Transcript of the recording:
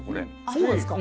そうですか。